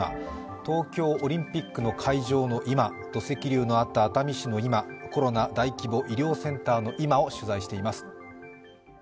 東京オリンピックの会場の今、土石流のあった熱海市の今、コロナ大規模医療センターの今を取材しています。